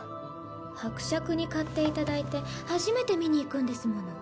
伯爵に買っていただいて初めて見に行くんですもの。